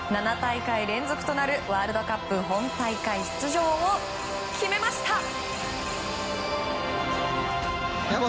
７大会連続となるワールドカップ本大会出場を決めました。